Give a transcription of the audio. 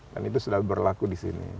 dan itu sudah berlaku di sini